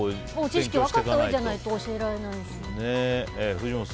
知識を分かったうえじゃないと教えられないし。